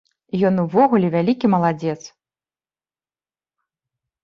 Ён увогуле вялікі маладзец!